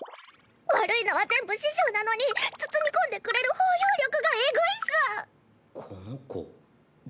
悪いのは全部師匠なのに包み込んでくれる包容力がえぐいっス。